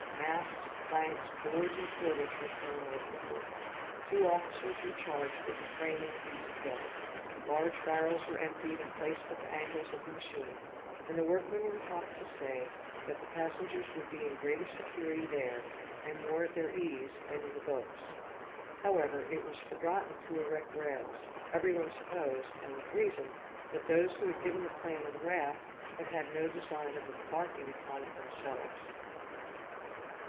Masts, planks, boards and cordage were thrown overboard. Two officers were charged with the framing of these together. Large barrels were emptied and placed at the angles of the machine, and the workmen were taught to say, that the passengers would be in greater security there, and more at their ease, than in the boats. However, it was forgotten to erect rails, every one supposed, and with reason, that those who had given the plan of the raft, had had no design of embarking upon it themselves.